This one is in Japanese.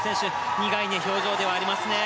苦い表情ではありますね。